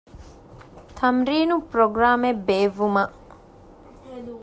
ތަމްރީނު ޕްރޮގްރާމެއް ބޭއްވުމަށް